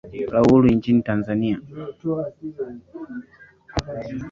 la uhuru nchini tanzania